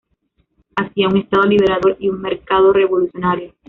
Hacia un Estado liberador y un mercado revolucionario".